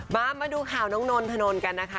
มามาดูข่าวน้องน้นถนนกันนะคะ